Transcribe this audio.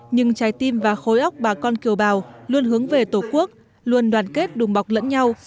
nhưng trái tim và khối óc bà con kiều bào luôn hướng về tổ quốc luôn đoàn kết đùm bọc lẫn nhau